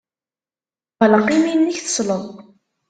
Ɣleq imi-nnek, tesleḍ.